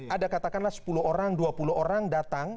ada katakanlah sepuluh orang dua puluh orang datang